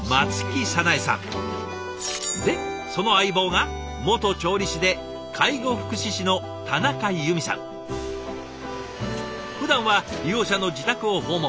でその相棒が元調理師でふだんは利用者の自宅を訪問。